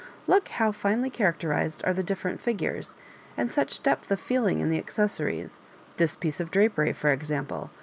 Look how finely characterised are the different figures ; and such depth of feeling in the accessories, — this piece of drapery, for example.